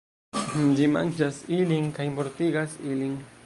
Ĝi manĝas ilin, kaj mortigas ilin.